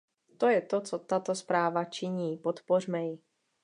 To je to, co tato zpráva činí, podpořme ji.